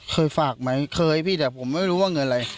เคยฝากไหมเคยพี่แต่ผมไม่รู้ว่าเงินอะไร